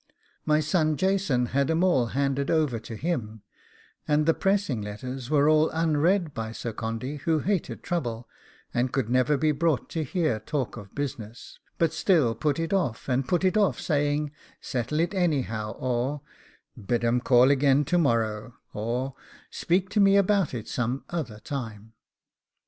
My son Jason had 'em all handed over to him, and the pressing letters were all unread by Sir Condy, who hated trouble, and could never be brought to hear talk of business, but still put it off and put it off, saying, 'Settle it anyhow,' or, 'Bid 'em call again to morrow,' or, 'Speak to me about it some other time.